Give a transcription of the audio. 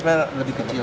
mekanisme lebih kecil